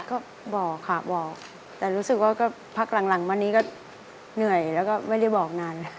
ก็บอกค่ะบอกแต่รู้สึกว่าก็พักหลังมานี้ก็เหนื่อยแล้วก็ไม่ได้บอกนานเลย